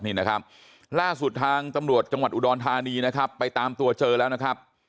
นี่นะครับล่าสุดทางตำรวจจังหวัดอุดรธานีนะครับไปตามตัวเจอแล้วนะครับ